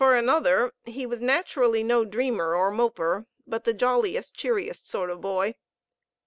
For another, he was naturally no dreamer or moper, but the jolliest, cheeriest sort of boy.